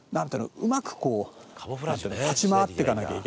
うまくこう立ち回っていかなきゃいけない。